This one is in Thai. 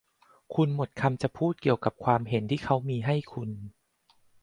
คุณหมดคำจะพูดเกี่ยวกับความเห็นที่เขามีให้คุณ